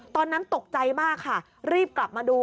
ตอนนั้นตกใจมากค่ะรีบกลับมาดู